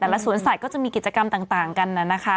สวนสัตว์ก็จะมีกิจกรรมต่างกันนะคะ